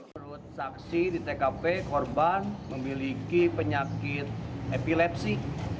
menurut saksi di tkp korban memiliki penyakit epilepsi